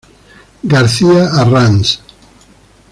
García Arranz.